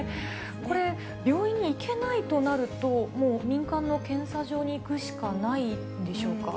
これ、病院に行けないとなると、もう民間の検査場に行くしかないんでしょうか。